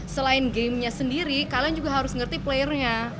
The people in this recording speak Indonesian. selain gamenya sendiri kalian juga harus ngerti playernya